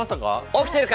起きてるか？